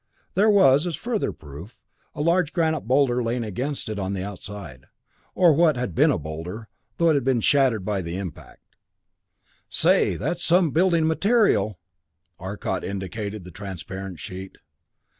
There was, as a further proof, a large granite boulder lying against it on the outside or what had been a boulder, though it had been shattered by the impact. "Say that's some building material!" Arcot indicated the transparent sheet.